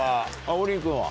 王林君は？